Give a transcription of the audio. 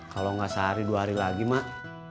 kalau nggak sehari dua hari lagi mak